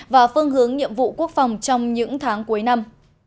và phương hướng nhiệm vụ quốc phòng trong những tháng cuối năm